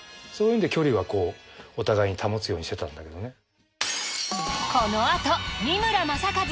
そういうので距離はお互いに保つようにしてたんだけどね。